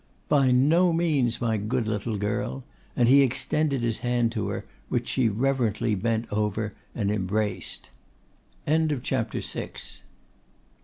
'By no means, my good little girl;' and he extended his hand to her, which she reverently bent over and embraced. CHAPTER VII.